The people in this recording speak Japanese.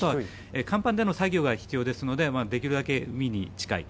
甲板での作業が必要ですのでできるだけ海に近い。